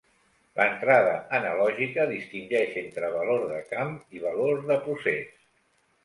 L'entrada analògica distingeix entre valor de camp i valor de procés.